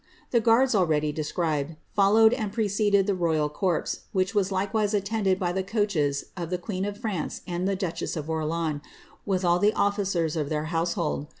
The g^uards, already described, Al lowed and preceded the royal corpse, which was likewise attended by the coaches of the queen of France and duchess of Orleans, widi ft the officers of their household.